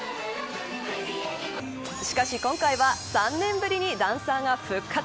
しかし、今回は３年ぶりにダンサーが復活。